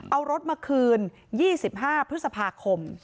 เอารถมาคืน๒๕พฤษภาคม